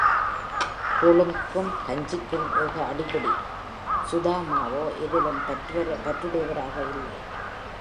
கூழுக்கும் கஞ்சிக்கும் ஏக அடிபிடி சுதாமாவோ எதிலுமே பற்றுடையவராக இல்லை.